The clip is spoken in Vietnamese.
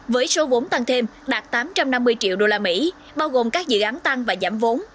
với số vốn tăng thêm đạt tám trăm năm mươi triệu usd bao gồm các dự án tăng và giảm vốn